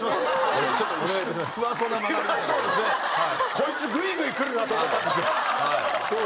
こいつグイグイ来るなあと思ったんでしょう。